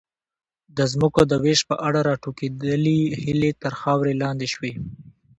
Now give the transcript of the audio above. د ځمکو د وېش په اړه راټوکېدلې هیلې تر خاورې لاندې شوې.